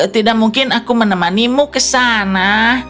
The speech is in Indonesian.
tidak mungkin aku menemanimu ke sana